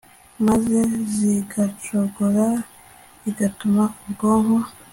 maze zigacogora bigatuma ubwonko